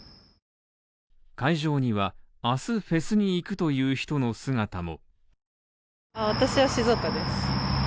会場には明日フェスに行くという人の姿も。